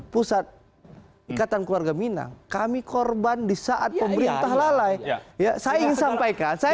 pusat ikatan keluarga minang kami korban di saat pemerintah lalai ya saya ingin sampaikan saya